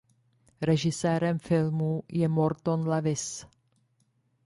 Režisérem filmu je Morton Lewis.